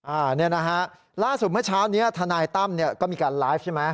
อันนี้นะฮะล่าสุดเมื่อเช้านี้ทนายตั้มเนี่ยก็มีการไลฟ์ใช่ไหม